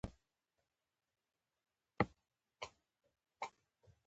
آیا کاناډا د پولیسو اداره نلري؟